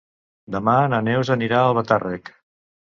Demà na Neus anirà a Albatàrrec.